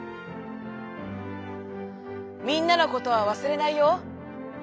「みんなのことはわすれないよ。